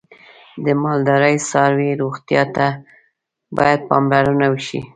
د مالدارۍ څاروی روغتیا ته باید پاملرنه وشي.